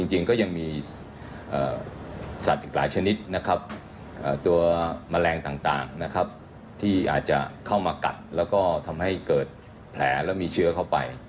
จริงก็ยังมีสัตว์อีกหลายชนิดนะครับตัวแมลงต่างนะครับที่อาจจะเข้ามากัดแล้วก็ทำให้เกิดแผลแล้วมีเชื้อเข้าไป